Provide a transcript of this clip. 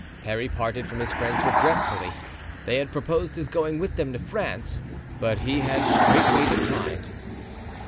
Parry parted from his friends regretfully; they had proposed his going with them to France, but he had straightway declined.